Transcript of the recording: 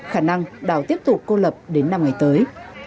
khả năng đảo tiếp tục cô lập đến năm ngày tới